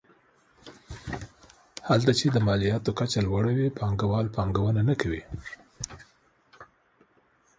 هلته چې د مالیاتو کچه لوړه وي پانګوال پانګونه نه کوي.